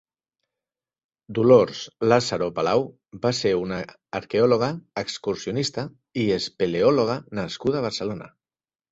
Dolors Làzaro Palau va ser una arqueòloga, excursionista i espeleòloga nascuda a Barcelona.